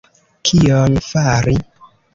Kion fari!